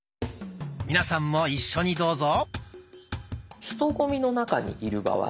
皆さんも一緒にどうぞ。